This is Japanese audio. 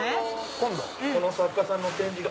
今度この作家さんの展示が。